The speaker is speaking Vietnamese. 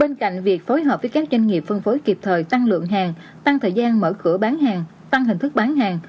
bên cạnh việc phối hợp với các doanh nghiệp phân phối kịp thời tăng lượng hàng tăng thời gian mở cửa bán hàng tăng hình thức bán hàng